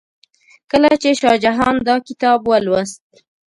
کله چې شاه جهان دا کتاب ولوست.